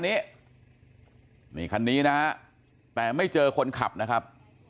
นี่นี่คันนี้นะฮะแต่ไม่เจอคนขับนะครับ